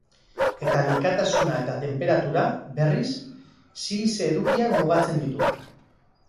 Eta likatasuna eta tenperatura, berriz, silize edukiak mugatzen ditu.